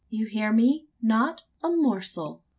You hear me? Not a morsel!"